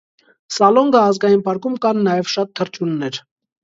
Սալոնգա ազգային պարկում կան նաև շատ թռչյուններ։